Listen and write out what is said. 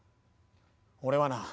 俺はな